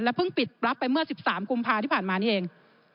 เพิ่งปิดรับไปเมื่อ๑๓กุมภาที่ผ่านมานี่เอง